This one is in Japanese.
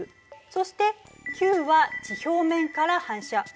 そして９は地表面から反射。